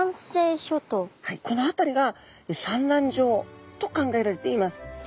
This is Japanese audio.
この辺りが産卵場と考えられています。